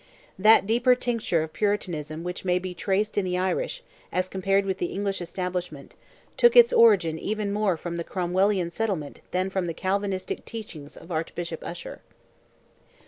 That deeper tincture of Puritanism which may be traced in the Irish, as compared with the English establishment, took its origin even more from the Cromwellian settlement than from the Calvinistic teachings of Archbishop Usher.